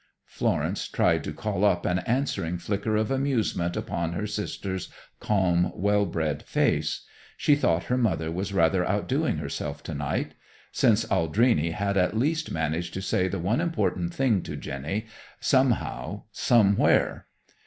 Florence tried to call up an answering flicker of amusement upon her sister's calm, well bred face. She thought her mother was rather outdoing herself tonight, since Aldrini had at least managed to say the one important thing to Jenny, somehow, somewhere.